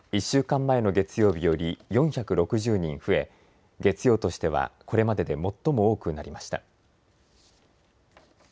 １週間前の月曜日より４６０人増え、月曜としてはこれまでで最も多くなりました。